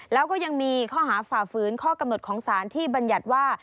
แล้วก็ยังมีข้อหาฝ่าฝืนข้อกำหนดของสารที่บรรยัติว่า